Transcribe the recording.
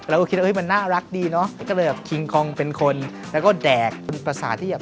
เราก็คิดว่ามันน่ารักดีเนอะ